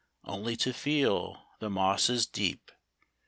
Only to feel the mosses deep.